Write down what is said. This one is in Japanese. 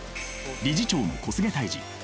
理事長の小菅泰治。